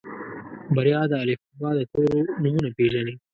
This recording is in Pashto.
بريا د الفبا د تورو نومونه پېژني.